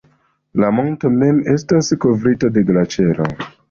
La monto mem estas kovrita de glaĉero.